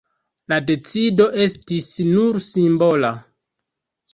La decido estis nur simbola.